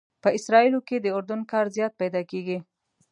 په اسرائیلو کې تر اردن کار زیات پیدا کېږي.